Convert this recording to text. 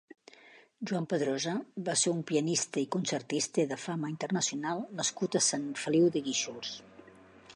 Joan Padrosa va ser un pianista i concertista de fama internacional nascut a Sant Feliu de Guíxols.